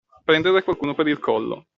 Prendere qualcuno per il collo.